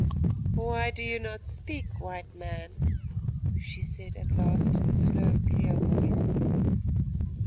"Why do you not speak, White Man?" she said at last in a slow clear voice.